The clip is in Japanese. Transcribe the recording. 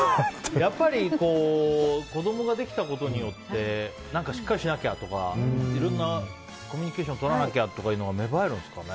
やっぱり子供ができたことによってしっかりしなきゃとかいろんなコミュニケーションをとらなきゃというのが芽生えるんですかね。